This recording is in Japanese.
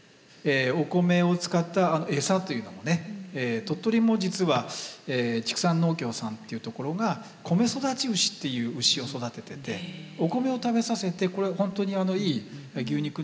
お米を使ったエサというのもね鳥取も実は畜産農協さんというところが米そだち牛っていう牛を育てててお米を食べさせてこれほんとにあのいい牛肉になります。